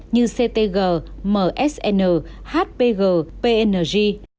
như ctg msn hpg png